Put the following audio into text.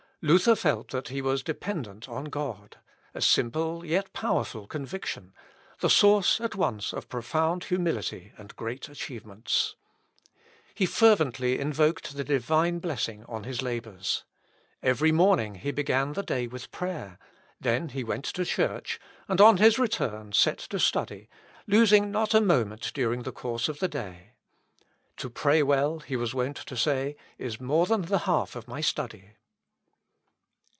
Luther felt that he was dependent on God a simple, yet powerful, conviction the source at once of profound humility and great achievements. He fervently invoked the Divine blessing on his labours. Each morning he began the day with prayer, then he went to church, and on his return set to study, losing not a moment during the course of the day. "To pray well," he was wont to say, "is more than the half of my study."